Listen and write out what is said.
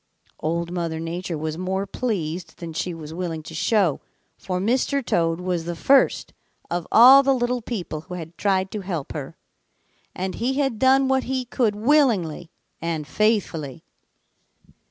"Old Mother Nature was more pleased than she was willing to show, for Mr. Toad was the first of all the little people who had tried to help her, and he had done what he could willingly and faithfully.